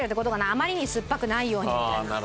あまりにすっぱくないようにみたいな。